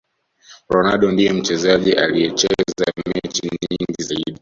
ronaldo ndiye mchezaji aliyecheza mechi nyingi zaidi